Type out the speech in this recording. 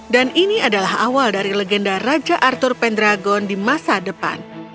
dan ini adalah awal dari legenda raja arthur pendragon di masa depan